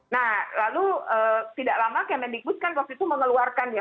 nah lalu tidak lama kemendikbud kan waktu itu mengeluarkan ya